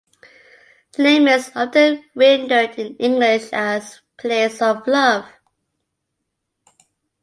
The name is often rendered in English as "place of love".